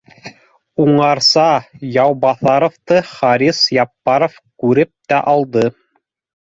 Уңарсы Яубаҫаровты Харис Яппаров күреп тә алды: